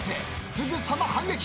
すぐさま反撃。